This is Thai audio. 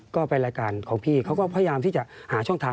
ก็เป็นรายการของพี่เขาก็พยายามที่จะหาช่องทาง